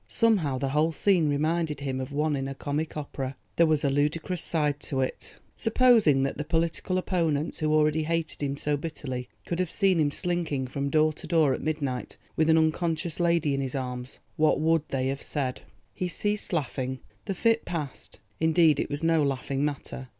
Somehow the whole scene reminded him of one in a comic opera. There was a ludicrous side to it. Supposing that the political opponents, who already hated him so bitterly, could have seen him slinking from door to door at midnight with an unconscious lady in his arms—what would they have said? He ceased laughing; the fit passed—indeed it was no laughing matter.